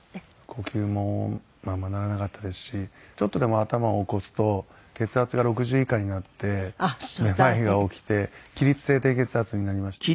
呼吸もままならなかったですしちょっとでも頭を起こすと血圧が６０以下になってめまいが起きて起立性低血圧になりまして。